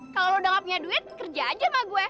kalo lo udah gak punya duit kerja aja sama gue